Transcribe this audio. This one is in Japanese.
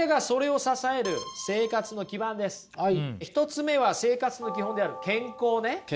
１つ目は生活の基本である健康ね。